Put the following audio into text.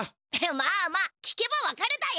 まあまあ聞けばわかるだよ。